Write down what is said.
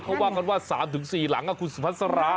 เขาว่ากันว่า๓๔หลังครับคุณสุพัฒนศาลา